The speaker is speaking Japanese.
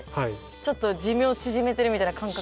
ちょっと寿命縮めてるみたいな感覚。